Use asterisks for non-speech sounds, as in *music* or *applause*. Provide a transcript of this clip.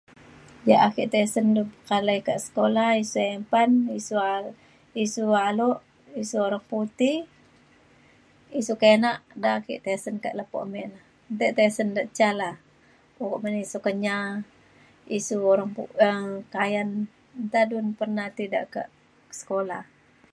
Ya ake tai sen pekalai ka sekolah isu iban, isu alok, isu urang putih, isu kina da ake tisen tai lepo ame tai tisen te ca la *unintelligible* isu Kenyah, isu orang um Kayan, ta pena tidun ka sekolah.